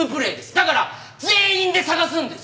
だから全員で探すんです！